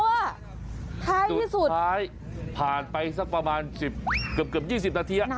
ท้ายที่สุดสุดท้ายผ่านไปสักประมาณเกือบ๒๐นาที